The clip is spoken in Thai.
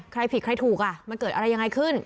ใครผิดใครถูกมันเกิดอะไรยังไงขึ้น